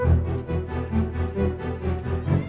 anak buah kang darman